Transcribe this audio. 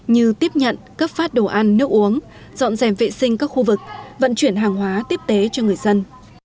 như tiếp nhận cấp phát đồ ăn nước uống dọn dèm vệ sinh các khu vực vận chuyển hàng hóa tiếp tế cho người dân